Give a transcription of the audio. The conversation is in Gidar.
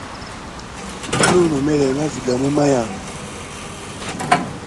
Ɓolu məline net ziga memaya.